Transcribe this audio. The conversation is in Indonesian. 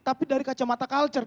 tapi dari kacamata culture